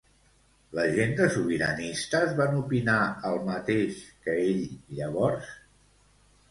La gent de Sobiranistes van opinar el mateix que ell llavors?